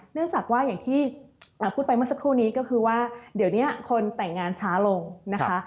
เนื่องจากว่าอย่างที่พูดไปเมื่อสักครู่นี้ก็คือว่าเดี๋ยวนี้คนแต่งงานช้าลงนะคะ